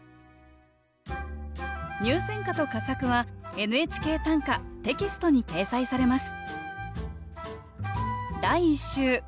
入選歌と佳作は「ＮＨＫ短歌」テキストに掲載されます